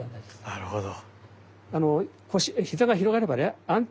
なるほど。